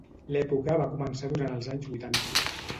L'època va començar durant els anys vuitanta.